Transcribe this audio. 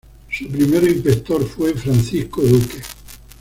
Su primer inspector fue Francisco Duque.